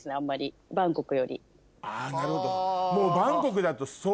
あなるほど。